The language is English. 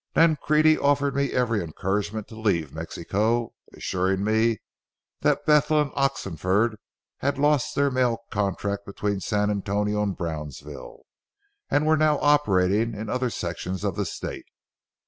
Nancrede offered me every encouragement to leave Mexico, assuring me that Bethel & Oxenford had lost their mail contract between San Antonio and Brownsville, and were now operating in other sections of the state.